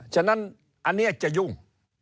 ฉะนั้นอันนี้จะยุ่ง